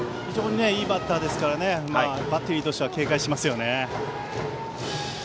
いいバッターですからバッテリーは警戒しますよね。